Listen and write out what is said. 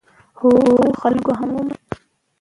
او خلکو هم ومانه.